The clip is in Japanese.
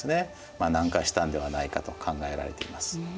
南下したんではないかと考えられています。